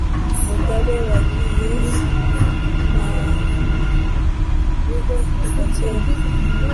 mugabe wagiye i mabiho kuva kera